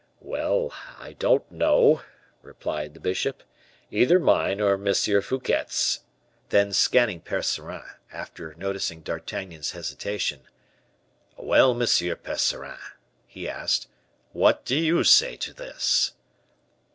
"Well, I don't know," replied the bishop; "either mine or M. Fouquet's." Then scanning Percerin, after noticing D'Artagnan's hesitation, "Well, Monsieur Percerin," he asked, "what do you say to this?"